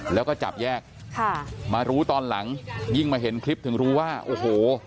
แล้วก็จับแยกค่ะมารู้ตอนหลังยิ่งมาเห็นคลิปถึงรู้ว่าโอ้โห